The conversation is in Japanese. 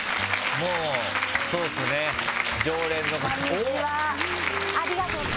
もうそうですね常連のおっ！